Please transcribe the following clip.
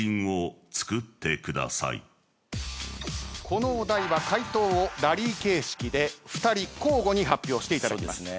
このお題は回答をラリー形式で２人交互に発表していただきます。